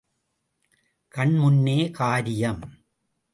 கண் முன்னே காரியம்!